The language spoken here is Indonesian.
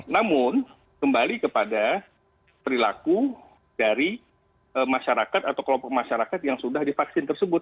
namun kembali kepada perilaku dari masyarakat atau kelompok masyarakat yang sudah divaksin tersebut